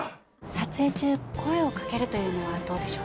撮影中声をかけるというのはどうでしょうか？